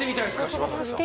柴咲さん。